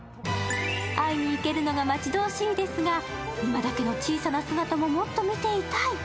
会いにいけるのが待ち遠しいですが、今だけの小さな姿ももっと見ていたい。